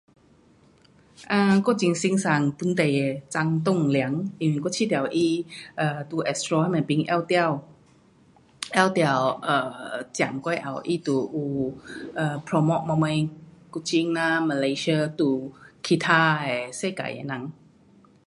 啊，我很欣赏本地的张栋梁，因为我觉得他呃，在 Astro 那边凭拿到，拿到呃，奖过后他就有 promote 呃，什么 Kuching 啊 Malaysia to 其他的世界的人。